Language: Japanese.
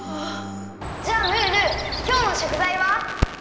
じゃあムールきょうのしょくざいは？